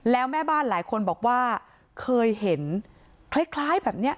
แล้วแม่บ้านหลายคนบอกว่าเคยเห็นคล้ายแบบนี้